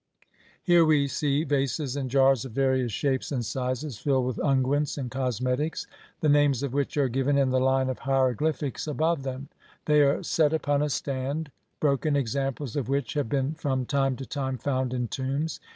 Here we see vases and jars of various shapes and sizes filled with unguents and cosmetics, the names of which are given in the line of hiero glyphics above them ; they are set upon a stand, LVI INTRODUCTION. broken examples of which have been from time to time found in tombs.